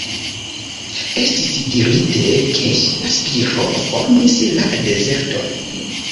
Estis dirite ke ŝia spiro formis la dezerton.